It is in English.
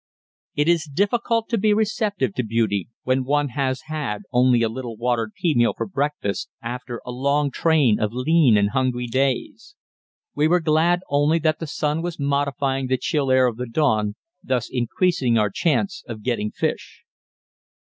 It is difficult to be receptive to beauty when one has had only a little watered pea meal for breakfast after a long train of lean and hungry days. We were glad only that the sun was modifying the chill air of the dawn, thus increasing our chance of getting fish.